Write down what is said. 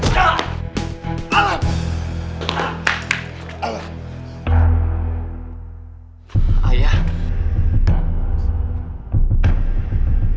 jika ia diberi hadiah audio yang tidak sah